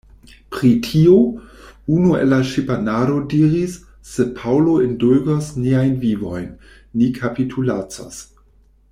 Pri tio, unu el la ŝipanaro diris, Se Paŭlo indulgos niajn vivojn, ni kapitulacos.